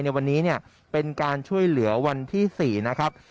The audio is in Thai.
ในวันนี้เป็นการช่วยเหลือวันที่๔นะครับ